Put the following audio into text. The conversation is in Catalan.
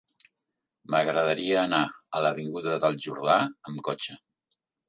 M'agradaria anar a l'avinguda del Jordà amb cotxe.